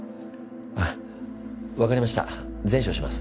あっわかりました善処します。